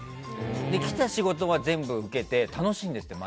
来た仕事は全部受けて毎日、楽しいんですって。